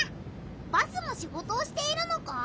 バスもシゴトをしているのか？